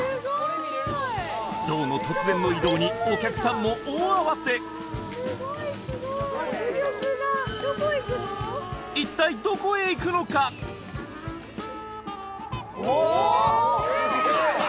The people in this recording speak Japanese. ゾウの突然の移動にお客さんも大慌て一体どこへ行くのかうわ